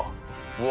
うわ。